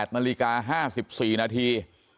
๘นาฬิกา๕๔นาที